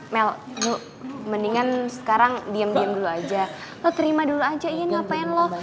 mel mendingan sekarang diam diam dulu aja lo terima dulu aja ian ngapain lo